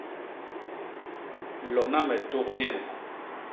Lona me tôk yem.